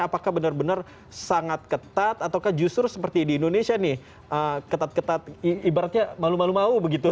apakah benar benar sangat ketat ataukah justru seperti di indonesia nih ketat ketat ibaratnya malu malu mau begitu